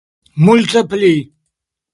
Multe pli.